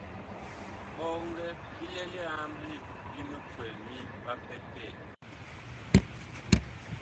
Bɔŋgɛ bi lɛ li amɓle li mikwɛl mi ɓapɛpɛɛ.